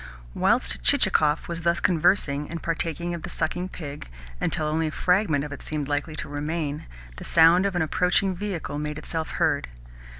Whilst Chichikov was thus conversing and partaking of the sucking pig until only a fragment of it seemed likely to remain, the sound of an approaching vehicle made itself heard.